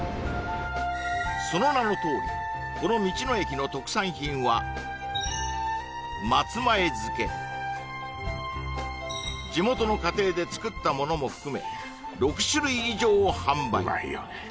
その名のとおりこの地元の家庭で作ったものも含め６種類以上を販売